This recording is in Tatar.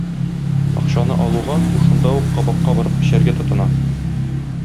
Акчаны алуга бу шунда ук кабакка барып эчәргә тотына.